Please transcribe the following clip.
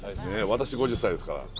私５０歳ですから。